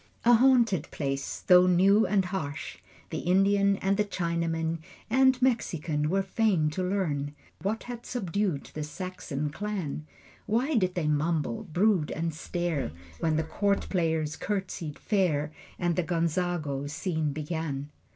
A haunted place, though new and harsh! The Indian and the Chinaman And Mexican were fain to learn What had subdued the Saxon clan. Why did they mumble, brood, and stare When the court players curtsied fair And the Gonzago scene began?